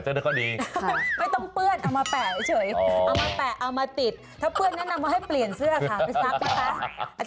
ไม่ค่อยดีไม่ต้องเปื้อนเอามาแปะเฉยเอามาแปะเอามาติดถ้าเปื้อนแนะนำว่าให้เปลี่ยนเสื้อค่ะไปซักนะคะ